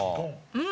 うん。